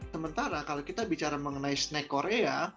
sementara kalau kita bicara mengenai snack korea